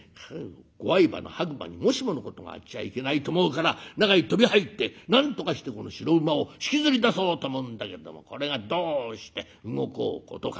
ご愛馬の白馬にもしものことがあっちゃいけないと思うから中へ飛び入ってなんとかしてこの白馬を引きずり出そうと思うんだけどもこれがどうして動こうことか。